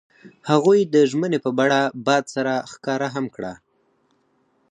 هغوی د ژمنې په بڼه باد سره ښکاره هم کړه.